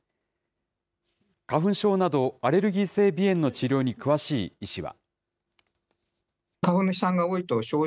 花粉症など、アレルギー性鼻炎の治療に詳しい医師は。